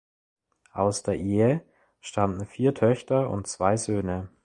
Aus der Ehe stammten vier Töchter und zwei Söhne.